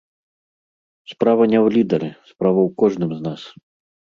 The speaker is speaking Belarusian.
Справа не ў лідары, справа ў кожным з нас.